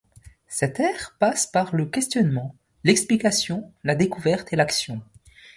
Cette aire passe par le questionnement, l'explication, la découverte et l'action.